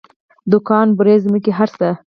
دوکان بوړۍ ځمکې هر څه.